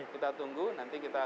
kita tunggu nanti kita